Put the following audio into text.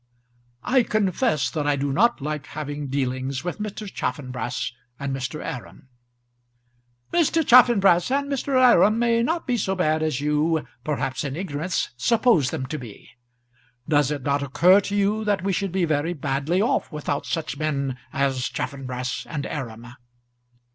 "I confess that I do not like having dealings with Mr. Chaffanbrass and Mr. Aram." "Mr. Chaffanbrass and Mr. Aram may not be so bad as you, perhaps in ignorance, suppose them to be. Does it not occur to you that we should be very badly off without such men as Chaffanbrass and Aram?"